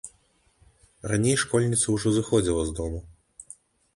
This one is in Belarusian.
Раней школьніца ўжо сыходзіла з дому.